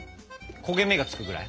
焦げ目がつくぐらい？